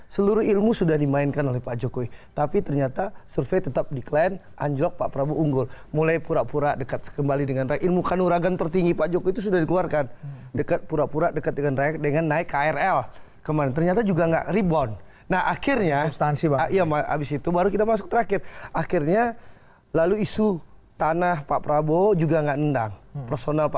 sebelumnya bd sosial diramaikan oleh video anggota dewan pertimbangan presiden general agung gemelar yang menulis cuitan bersambung menanggup